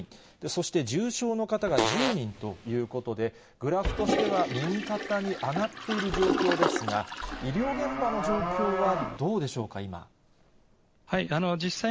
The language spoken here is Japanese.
そして、重症の方が１０人ということで、グラフとしては右肩に上がっている状況ですが、医療現場の状況はどうでしょうか、今。